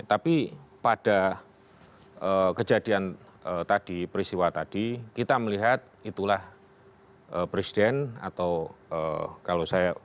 tapi pada kejadian tadi peristiwa tadi kita melihat itulah presiden atau kalau saya